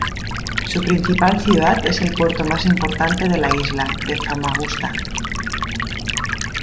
Su principal ciudad es el puerto más importante de la isla, de Famagusta.